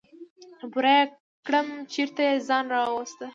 بوره يې کړم چېرته يې ځان راورسوه.